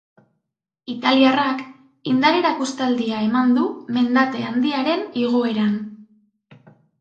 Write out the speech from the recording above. Italiarrak indar-erakustaldia eman du mendate handiaren igoeran.